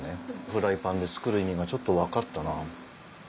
フライパンで作る意味がちょっと分かったな。